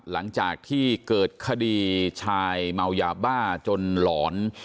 หลังจากที่เกิดคดีชายเมายาบ้าจนหลอน